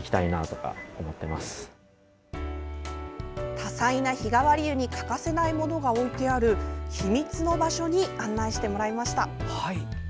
多彩な日替わり湯に欠かせないものが置いてある秘密の場所に案内してもらいました。